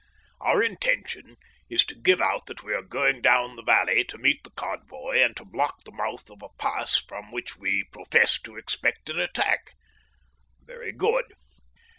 Our intention is to give out that we are going down the valley to meet the convoy and to block the mouth of a pass from which we profess to expect an attack. Very good.